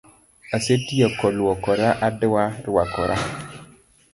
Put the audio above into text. Asetieko luokora adwa rwakora